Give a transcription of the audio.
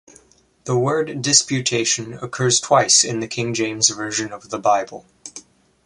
The word disputation occurs twice in the King James Version of the Bible.